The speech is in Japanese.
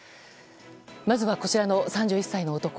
まずは、こちらの３１歳の男。